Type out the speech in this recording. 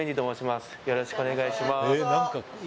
よろしくお願いします